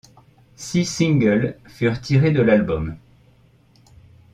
Six singles furent tirés de l'album.